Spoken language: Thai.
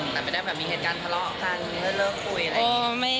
แต่ไม่ได้แบบมีเหตุการณ์ทะเลาะครั้งแล้วเริ่มคุยอะไรอย่างงี้